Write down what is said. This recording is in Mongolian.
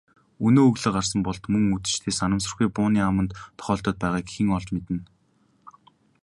Өнөө өглөө гарсан Болд мөн үдэштээ санамсаргүй бууны аманд тохиолдоод байгааг хэн олж мэднэ.